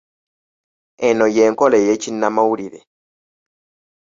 Eno y'enkola ey'ekinnamawulire.